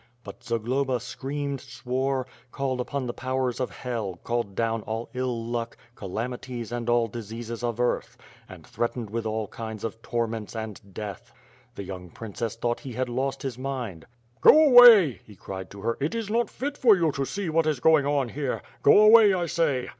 But Zagloba screamed, swore, called upon the powers of Hell, called down all ill luck, calamities and all diseases of earth — and threatened with all kind of torments, and death. The young princess thought he had lost his mind. "60 away!" he cried to her. "It is not fit for you to see what is going on here. Go away, I say!"